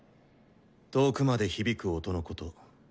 遠くまで響く音のこと。